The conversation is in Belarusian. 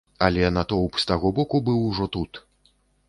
Але натоўп з таго боку быў ужо тут.